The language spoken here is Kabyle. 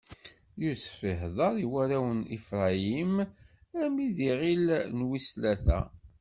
Yusef iḥdeṛ i warraw n Ifṛayim, armi d lǧil wis tlata.